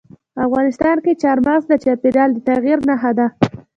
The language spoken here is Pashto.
افغانستان کې چار مغز د چاپېریال د تغیر نښه ده.